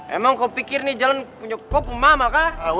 emang kau pikir nih jalan punya kau pemaham kak